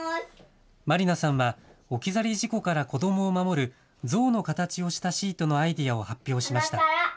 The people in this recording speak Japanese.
まりなさんは置き去り事故から子どもを守るゾウの形をしたシートのアイデアを発表しました。